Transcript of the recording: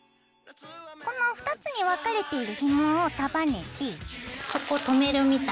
この２つに分かれているひもを束ねてそこ留めるみたいな感じで。